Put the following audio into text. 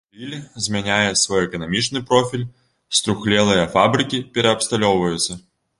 Ліль змяняе свой эканамічны профіль, струхлелыя фабрыкі пераабсталёўваюцца.